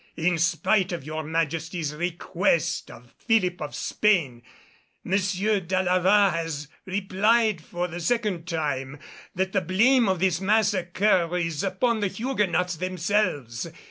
In spite of your Majesty's request of Philip of Spain, M. d'Alava has replied for the second time that the blame of this massacre is upon the Huguenots themselves.